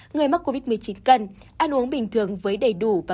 người mắc covid một mươi chín cần ăn uống bình thường với đầy đủ và cân đối